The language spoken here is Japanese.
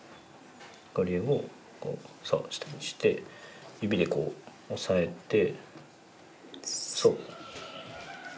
これをそう下にして指でこう押さえてそう。